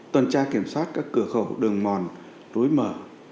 tuần tra kiểm soát các cửa khẩu đường mòn lối mở